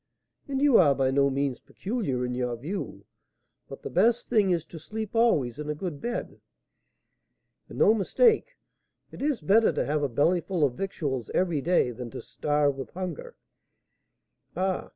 "And you are by no means peculiar in your view; but the best thing is to sleep always in a good bed." "And no mistake; it is better to have a bellyful of victuals every day than to starve with hunger. Ah!